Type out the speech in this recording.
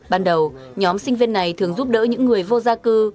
ban đầu nhóm sinh viên này thường giúp đỡ những người vô gia cư